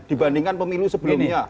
dibandingkan pemilu sebelumnya